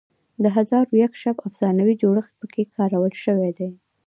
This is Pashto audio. د هزار و یک شب افسانوي جوړښت پکې کارول شوی دی.